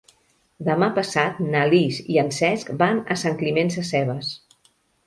Demà passat na Lis i en Cesc van a Sant Climent Sescebes.